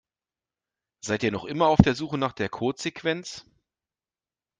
Seid ihr noch immer auf der Suche nach der Codesequenz?